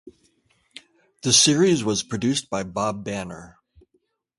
The series was produced by Bob Banner.